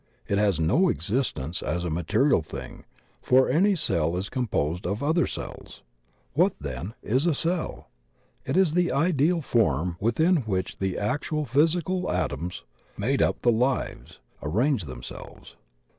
It has no existence as a material thing, for any cell is composed of other cells. What, then, is a cell? It is the ideal form within which the actual physical atoms — made up of the "lives" — arrange themselves.